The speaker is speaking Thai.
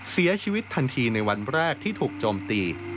เสียชีวิตทันทีในวันแรกที่ถูกโจมตี